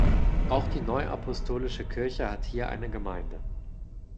Auch die Neuapostolische Kirche hat hier eine Gemeinde.